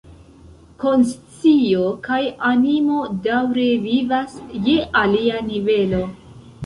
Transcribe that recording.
Konscio kaj animo daŭre vivas je alia nivelo.